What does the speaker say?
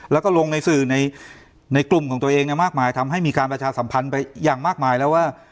แล้วก็ลงในสื่อในกลุ่มของตัวเองมากมายทำให้มีการประชาสัมพันธ์ไปอย่างมากมายแล้วว่า